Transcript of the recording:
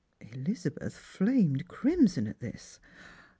Elizabeth flamed crimson at this.